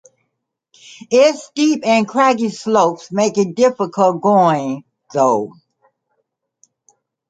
Its steep and craggy slopes make it difficult going though.